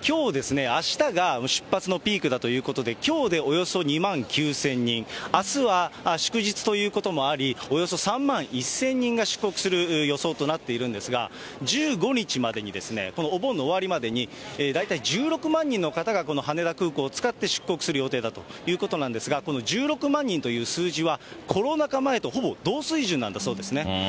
きょう、あしたが出発のピークだということで、きょうでおよそ２万９０００人、あすは祝日ということもあり、およそ３万１０００人が出国する予想となっているんですが、１５日までに、このお盆の終わりまでに、大体１６万人の方がこの羽田空港を使って出国する予定だということなんですが、この１６万人という数字は、コロナ禍前とほぼ同水準なんだそうですね。